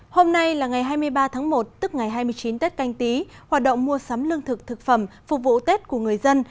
hôm nay là ngày hai mươi ba tháng một tức ngày hai mươi chín tết canh tí hoạt động mua sắm lương thực thực phẩm phục vụ tết của người dân